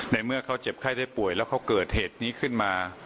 ในเมื่อเขาเจ็บไข้ได้ป่วยแล้วเขาเกิดเหตุนี้ขึ้นมา